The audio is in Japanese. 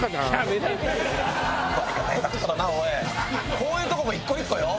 こういうとこも一個一個よ。